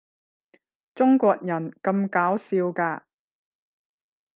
中國人咁搞笑㗎